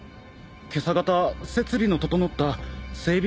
今朝方設備の整った整備